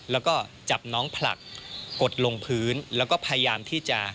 แล้วก็จับน้องผลักกดลงพื้นแล้วก็พยายามที่จะ